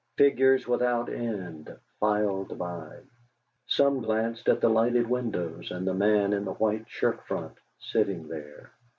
Figures without end filed by. Some glanced at the lighted windows and the man in the white shirt front sitting there.